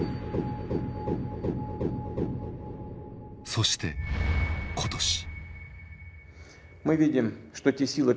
そして今年。